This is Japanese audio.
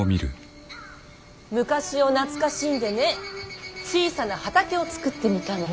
昔を懐かしんでね小さな畑を作ってみたの。